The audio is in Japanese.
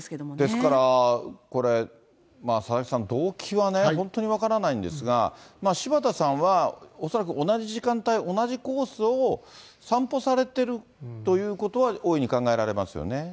ですから、これ、佐々木さん、動機はね、本当に分からないんですが、柴田さんは恐らく同じ時間帯、同じコースを散歩されてるということは、大いに考えられますよね。